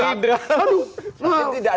oh dari raka